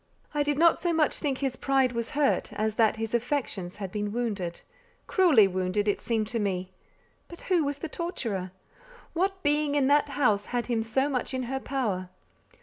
I did not so much think his pride was hurt, as that his affections had been wounded—cruelly wounded, it seemed to me. But who was the torturer? What being in that house had him so much in her power?